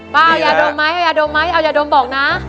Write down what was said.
ป้าอยากดมไหมอยากดมไหมอยากดมบอกนะ